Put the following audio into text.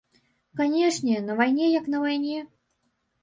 Канешне, на вайне як на вайне.